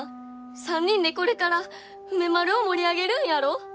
３人でこれから梅丸を盛り上げるんやろ！